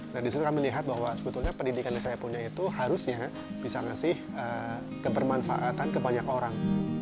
nah disitu kami lihat bahwa sebetulnya pendidikan yang saya punya itu harusnya bisa ngasih kebermanfaatan ke banyak orang